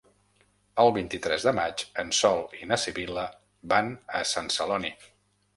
El vint-i-tres de maig en Sol i na Sibil·la van a Sant Celoni.